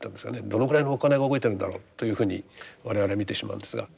どのぐらいのお金が動いてるんだろうというふうに我々見てしまうんですが。